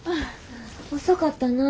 遅かったなぁ。